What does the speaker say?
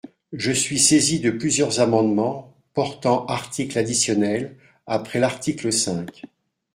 Je suis saisi de plusieurs amendements portant articles additionnels après l’article cinq.